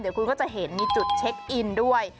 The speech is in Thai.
เดี๋ยวคุณก็จะเห็นมีจุดเช็คอินด้วย